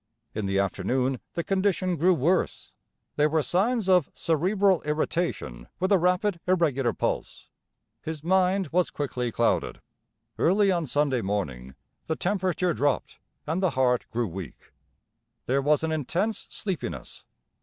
In the afternoon the condition grew worse; there were signs of cerebral irritation with a rapid, irregular pulse; his mind was quickly clouded. Early on Sunday morning the temperature dropped, and the heart grew weak; there was an intense sleepiness.